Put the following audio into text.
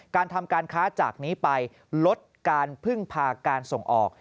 การทำการค้าจากนี้ไปลดการพึ่งพาการส่งออก